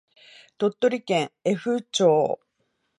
鳥取県江府町